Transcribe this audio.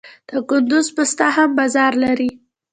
د کندز پسته هم بازار لري.